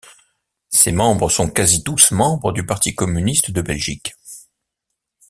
Ses membres sont quasi tous membres du Parti Communiste de Belgique.